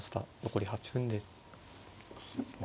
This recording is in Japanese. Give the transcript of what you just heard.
残り８分です。